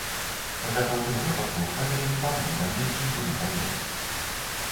Гэта ў тым выпадку, калі я не памру раней, чым туды паеду.